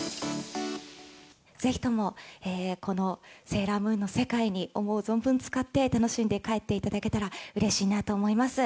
ぜひともこのセーラームーンの世界に、思う存分つかって楽しんで帰っていただけたらうれしいなと思います。